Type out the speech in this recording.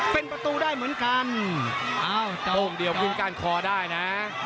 เป็นประตูได้เหมือนกันอ้าวโป้งเดียวขึ้นก้านคอได้นะ